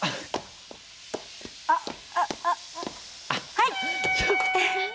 はい！